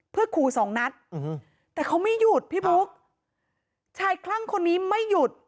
เพื่อขู่สองนัดแต่เขาไม่หยุดพี่บุ๊คชายคลั่งคนนี้ไม่หยุด